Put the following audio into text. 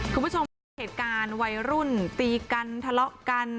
คุณผู้ชมคะเหตุการณ์วัยรุ่นตีกันทะเลาะกัน